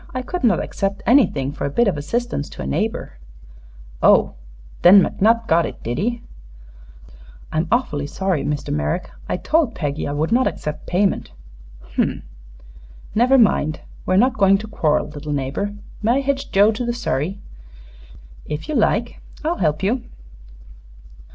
I could not accept anything for a bit of assistance to a neighbor." "Oh! Then McNutt got it, did he?" "I'm awfully sorry, Mr. Merrick. I told Peggy I would not accept payment." "H m. Never mind. We're not going to quarrel, little neighbor. May I hitch Joe to the surrey?" "If you like. I'll help you."